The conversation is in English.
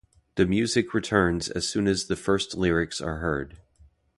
The music returns as soon as the first lyrics are heard.